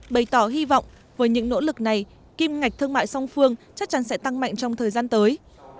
bày tỏ hy vọng với những nỗ lực này kim ngạch thương mại song phương chắc chắn sẽ tăng mạnh trong thời gian tới